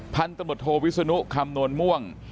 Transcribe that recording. พันธุ์ตำรวจโทวิศนุคำนวณม่วง